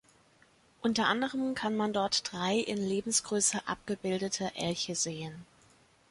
Unter anderem kann man dort drei in Lebensgröße abgebildete Elche sehen.